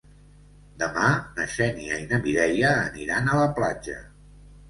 Demà na Xènia i na Mireia aniran a la platja.